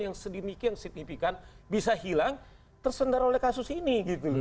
yang sedemikian signifikan bisa hilang tersendar oleh kasus ini